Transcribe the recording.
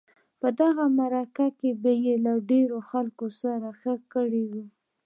په دغه مرحله کې به یې له ډیرو خلکو سره ښه کړي وي.